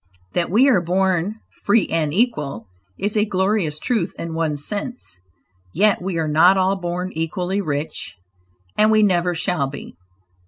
That we are born "free and equal" is a glorious truth in one sense, yet we are not all born equally rich, and we never shall be.